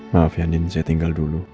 maaf ya andin saya tinggal dulu